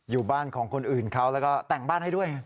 อยู่บ้านของคนอื่นเขาแล้วก็แต่งบ้านให้ด้วย